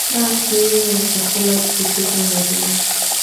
a nyingi chakula kikifika mwilini